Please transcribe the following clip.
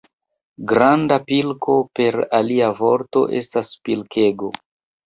Granda pilko, per alia vorto, estas pilkego.